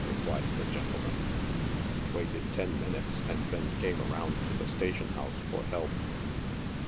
replied the gentleman :" waited ten minutes, and tien came around to the station house for help."